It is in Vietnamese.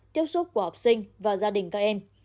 tiếp xúc của học sinh và gia đình các em